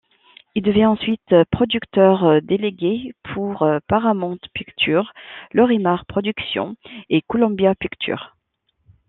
Il devient ensuite producteur délégué pour Paramount Pictures, Lorimar Productions et Columbia Pictures.